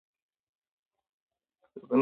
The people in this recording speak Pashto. جمال خان پوښتنه وکړه چې ستا له دې سره څه مسئله وه